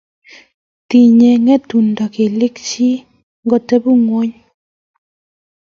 Tinyei ngetundo kelek che ngotiben